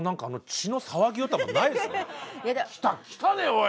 来た来たでおい！